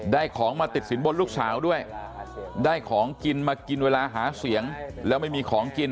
ได้ของมาติดสินบนลูกสาวด้วยได้ของกินมากินเวลาหาเสียงแล้วไม่มีของกิน